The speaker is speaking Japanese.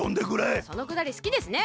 そのくだりすきですね。